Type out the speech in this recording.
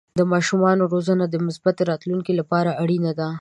د ماشومانو روزنه د مثبتې راتلونکې لپاره اړینه ده.